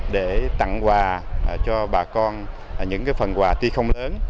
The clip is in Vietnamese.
để tặng quà cho bà con những phần quà tuy không lớn